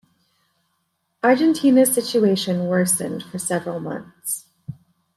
Argentina's situation worsened for several months.